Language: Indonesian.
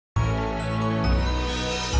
gue akan selalu ada disini